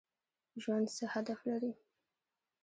ژوند څه هدف لري؟